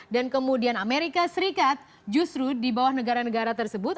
dan kemudian amerika serikat justru di bawah negara negara tersebut